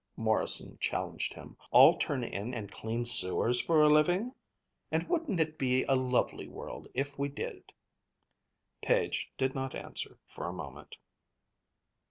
Morrison challenged him "all turn in and clean sewers for a living? And wouldn't it be a lovely world, if we did!" Page did not answer for a moment.